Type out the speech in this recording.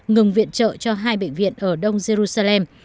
ngừng viện trợ cho hai bệnh viện ở đông jerusalem